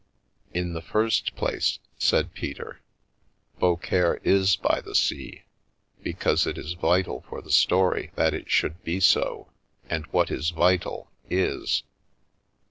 " In the first place," said Peter, " Beaucaire is by the sea, because it is vital for the story that it should be so, and what is vital, is.